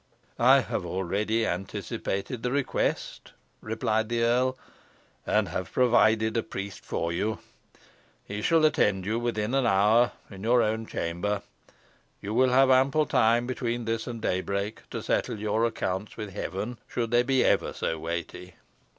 "I have already anticipated the request," replied the earl, "and have provided a priest for you. He shall attend you, within an hour, in your own chamber. You will have ample time between this and daybreak, to settle your accounts with Heaven, should they be ever so weighty."